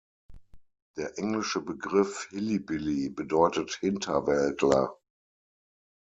Der englische Begriff "hillbilly" bedeutet "Hinterwäldler".